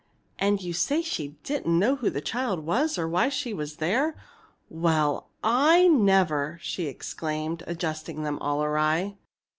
"And she said she didn't know who the child was or why she was there? Well I never!" she exclaimed, adjusting them all awry.